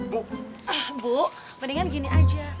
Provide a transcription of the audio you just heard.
bu mendingan gini aja